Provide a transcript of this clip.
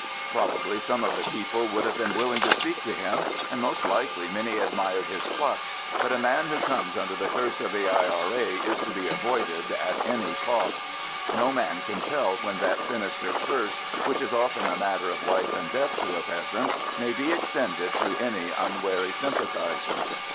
Probably some of the people would have been willing to speak to him, and most likely many admired his pluck, but a man who comes under the curse of the I.R.A. is to be avoided at any costs. No man can tell when that sinister curse, which is often a matter of life and death to a peasant, may be extended to an unwary sympathiser.